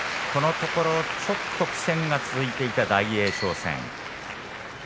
このところちょっと苦戦が続いていた大栄翔戦。